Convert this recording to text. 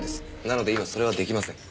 なので今それは出来ません。